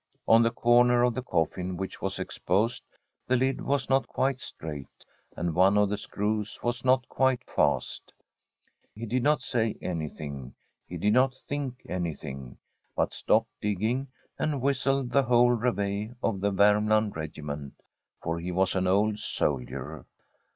On the corner of the coffin which was exposed the lid was not quite straight, and one of the screws was not quite fast. He did not say anything, he did not think anything, but stopped digging and whistled the whole reveille of the Vermland Regiment — for he was an old soldier.